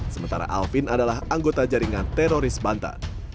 sementara alvin adalah anggota jaringan teroris banten